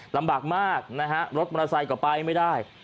ลำบากมากนะฮะรถมอเตอร์ไซค์ก็ไปไม่ได้